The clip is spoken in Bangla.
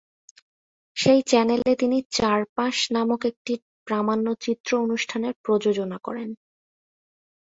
সেই চ্যানেলে তিনি "চারপাশ" নামক একটি প্রামাণ্যচিত্র অনুষ্ঠানের প্রযোজনা করেন।